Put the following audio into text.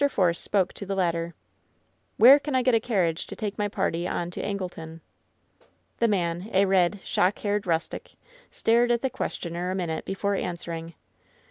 Force spoke to the latter. "Where can I get a carriage to take my party on to Angleton?" The man, a red, shock haired rustic, stared at the questioner a minute before answering.